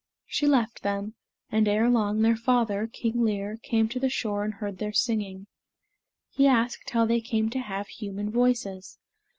She left them, and ere long their father, King Lir, came to the shore and heard their singing. He asked how they came to have human voices.